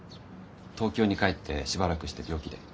東京に帰ってしばらくして病気で。